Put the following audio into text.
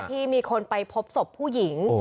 ที่มีคนไปพบศพผู้หญิง